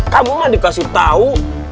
kamu mah dikasih tahu